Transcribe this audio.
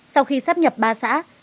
sau khi sắp nhập ba xã